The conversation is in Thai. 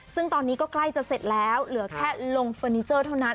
ซึ่งตอนนี้ก็ใกล้จะเสร็จแล้วเหลือแค่ลงเฟอร์นิเจอร์เท่านั้น